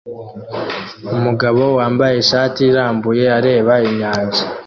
Umugabo wambaye ishati irambuye areba inyanja